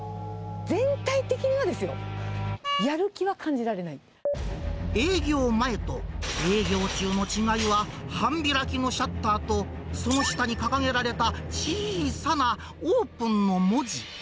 全体的にはですよ、営業前と営業中の違いは、半開きのシャッターとその下に掲げられた小さなオープンの文字。